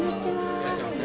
いらっしゃいませ。